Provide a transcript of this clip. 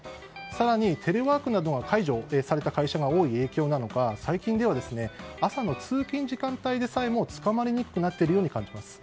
更に、テレワークなどが解除された会社が多い影響からか最近では朝の通勤時間帯でさえも捕まりにくくなっているように感じます。